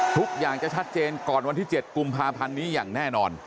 ทุกอย่างจะชัดเจนก่อนวันที่๗กุมภาพันธ์นี้อย่างแน่นอน